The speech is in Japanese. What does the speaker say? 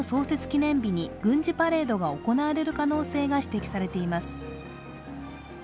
記念日に軍事パレードが行われる可能性が指摘されています。